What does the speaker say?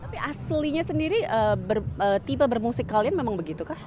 tapi aslinya sendiri tipe bermusik kalian memang begitu kah